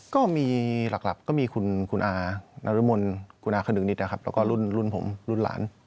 ก็มีหลักก็มีคุณอานรมนคุณอาขนึงนิดนะครับแล้วก็รุ่นผมรุ่นหลาน